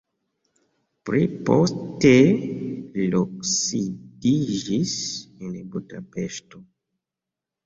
Pli poste li loksidiĝis en Budapeŝto.